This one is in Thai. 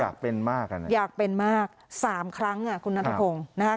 อยากเป็นมากอ่ะอยากเป็นมากสามครั้งอ่ะคุณนัทพงศ์นะคะ